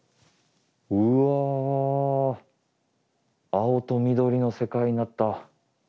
青と緑の世界になった。